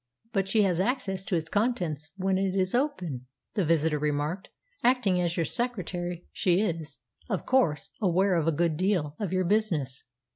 "But she has access to its contents when it is open," the visitor remarked. "Acting as your secretary, she is, of course, aware of a good deal of your business."